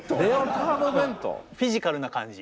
フィジカルな感じ。